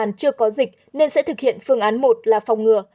địa bàn chưa có dịch nên sẽ thực hiện phương án một là phòng ngừa